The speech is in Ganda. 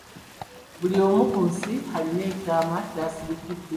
Buli omu ku nsi alina ekyama ky'akusikidde.